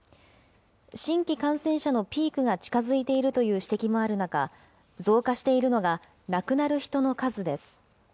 新規感染者のピークが近づいているという指摘もある中、増加しているのが亡くなる人の数です。